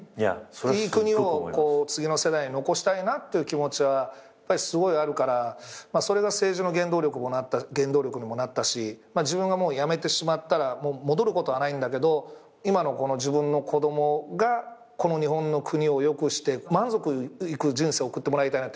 いい国を次の世代へ残したいなって気持ちはすごいあるからそれが政治の原動力にもなったし自分が辞めてしまったら戻ることはないんだけど今の自分の子供が日本の国を良くして満足いく人生を送ってもらいたいなって。